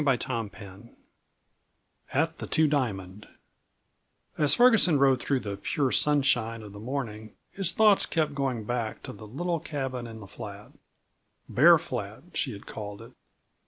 CHAPTER VI AT THE TWO DIAMOND As Ferguson rode through the pure sunshine of the morning his thoughts kept going back to the little cabin in the flat "Bear Flat," she had called it.